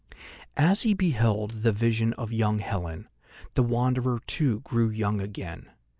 As he beheld the vision of young Helen, the Wanderer too grew young again.